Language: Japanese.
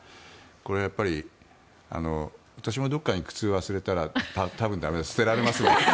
これはやっぱり私もどこかに靴を忘れたら多分駄目捨てられますよね。